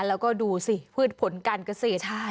แล้วก็ดูสิพืชผลการเกษตร